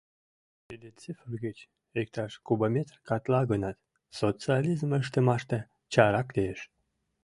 Тиде цифр гыч иктаж кубометр катла гынат, социализм ыштымаште чарак лиеш.